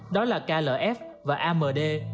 đó là klf và amd